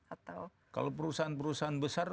atau kalau perusahaan perusahaan besar